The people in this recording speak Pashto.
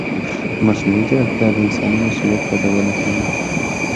مصنوعي ځیرکتیا د انساني مسؤلیت یادونه کوي.